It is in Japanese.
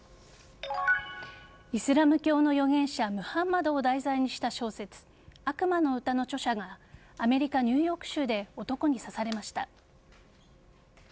イスラム教の預言者ムハンマドを題材にした小説「悪魔の詩」の著者がアメリカ・ニューヨーク州で男に刺されました。